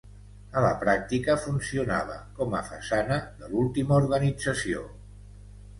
A la pràctica, funcionava com a façana de l'última organització.